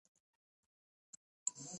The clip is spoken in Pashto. تاریخ د جذباتو سمندر دی.